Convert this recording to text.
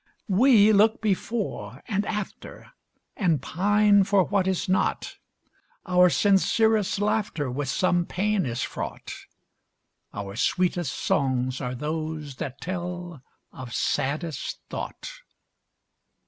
We look before and after, And pine for what is not: Our sincerest laughter With some pain is fraught; Our sweetest songs are those that tell of saddest thought.